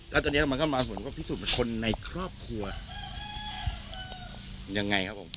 แล้วตอนนี้มันก็มาผลว่าพิสูจน์เป็นคนในครอบครัวยังไงครับผม